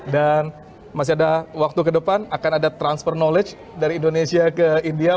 dan masih ada waktu ke depan akan ada transfer knowledge dari indonesia ke india